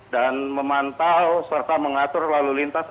dan memantau serta mengatur lalu lintas